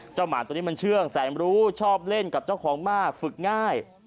หมาตัวนี้มันเชื่องแสนรู้ชอบเล่นกับเจ้าของมากฝึกง่าย